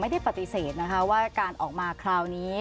ปฏิเสธนะคะว่าการออกมาคราวนี้